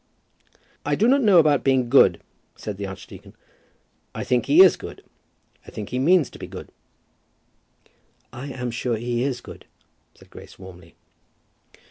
"I do not know about being good," said the archdeacon. "I think he is good. I think he means to be good." "I am sure he is good," said Grace, warmly.